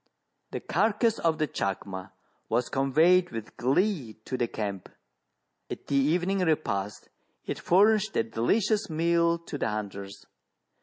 The carcase of the chacma was conveyed with glee to the camp. At the evening repast it furnished a delicious meal to the hunters.